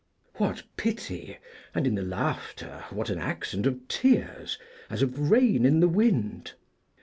What pity, and in the laughter what an accent of tears, as of rain in the wind!